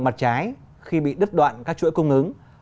mặt trái khi bị đứt đoạn các chuỗi cung ứng